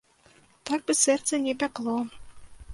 Так бы сэрца не пякло!